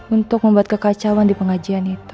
untuk membuat kekacauan di pengajian itu